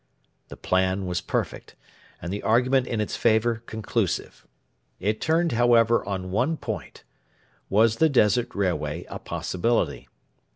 The plan was perfect, and the argument in its favour conclusive. It turned, however, on one point: Was the Desert Railway a possibility?